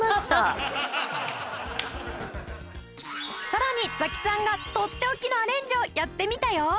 さらにザキさんがとっておきのアレンジをやってみたよ。